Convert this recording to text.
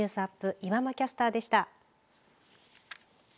岩間キャスターでした。